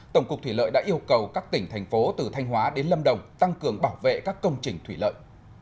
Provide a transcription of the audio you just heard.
tổng cục thủy lợi đã yêu cầu các tỉnh thành phố từ thanh hóa đến lâm đồng tăng cường bảo vệ các công trình thủy lợi